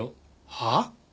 はあ？